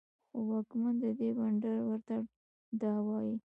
خو واکمن د دې بندر ورته دا وايي